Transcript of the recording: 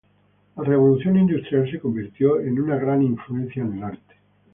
La revolución industrial se convirtió en una gran influencia en el arte.